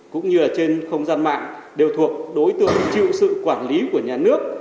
cũng như trên không gian mạng đều thuộc đối tượng chịu sự quản lý của nhà nước